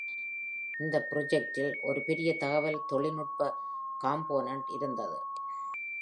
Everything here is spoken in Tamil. இந்த பிராஜெக்ட்டில் ஒரு பெரிய தகவல் தொழில்நுட்ப காம்போனென்ட் இருந்தது.